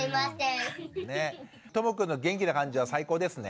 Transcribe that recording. ともくんの元気な感じは最高ですね。ね！